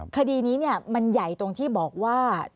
คดีนี้มันใหญ่ตรงที่บอกว่า